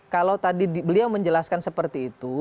kalau tadi beliau menjelaskan seperti itu